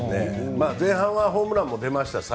前半はホームランも出ました。